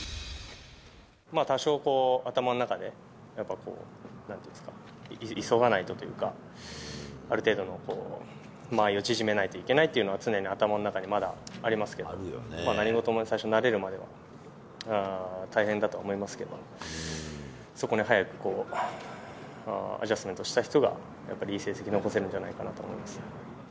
多少、頭の中でやっぱこう、なんて言うんですか、急がないとというか、ある程度の間合いを縮めないといけないというのは頭の中にまだありますけど、何事も最初、慣れるまでは大変だとは思いますけど、そこに早くアジャストメントした人が、やっぱりいい成績残せるんじゃないかなと思います。